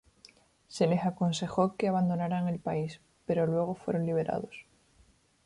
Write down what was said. Se les aconsejó que abandonaran el país, pero luego fueron liberados.